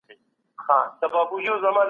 سياسي ليډر وويل چي پريکړي بايد پلي سي.